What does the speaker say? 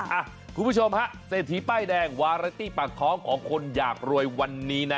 คุณผู้ชมฮะเศรษฐีป้ายแดงวาราตี้ปากท้องของคนอยากรวยวันนี้นะ